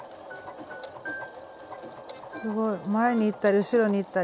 すごい前に行ったり後ろに行ったり。